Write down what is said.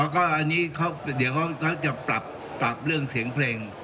อ๋อก็อันนี้เขาจะปรับเรื่องเสียงเพลง